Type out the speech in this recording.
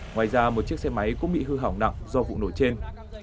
ngoài ra một chiếc xe máy cũng bị hư hỏng nặng do vụ nổ trên